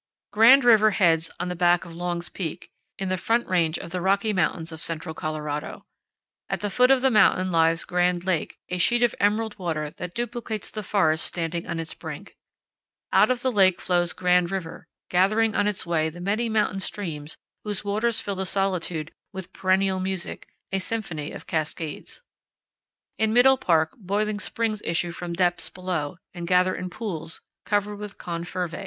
Grand River heads on the back of Long's Peak, in the Front Range of the Rocky Mountains of central Colorado. At the foot of the mountain lies Grand Lake, a sheet of emerald water that duplicates the forest standing on its brink. Out of the lake flows Grand River, gathering on powell canyons 32.jpg A NAVAJO READY FOR A JOURNEY. MESAS AND BUTTES. 59 its way the many mountain streams whose waters fill the solitude with perennial music a symphony of cascades. In Middle Park boiling springs issue from depths below and gather in pools covered with con fervae.